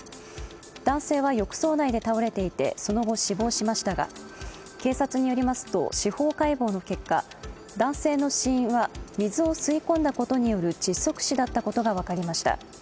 男性は浴槽内で倒れていてその後、死亡しましたが警察によりますと、司法解剖の結果男性の死因は水を吸い込んだことによる窒息死だったことが分かりました。